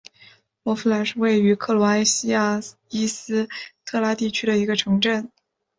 洛夫兰是位于克罗埃西亚伊斯特拉地区的一个城镇。